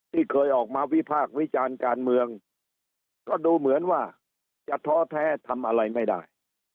ที่เคยออกมาวิพากษ์วิจารณ์การเมืองก็ดูเหมือนว่าจะท้อแท้ทำอะไรไม่ได้